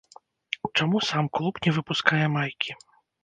Чаму сам клуб не выпускае майкі?